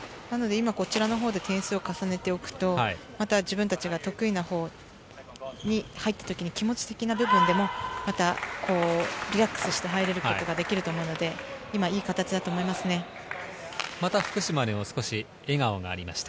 今こちらで点を重ねておくと自分たちが得意なほうに入った時に気持ち的な部分でもリラックスして入ることができると思うので、今いい形だと思いますね。